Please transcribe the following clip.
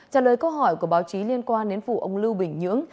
trả lời câu hỏi của báo chí liên quan đến vụ ông lưu bình nhưỡng